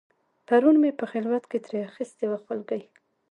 پرون مې په خلوت کې ترې اخیستې وه خولګۍ